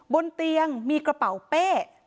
บนเตียงมีกระเป๋าเป้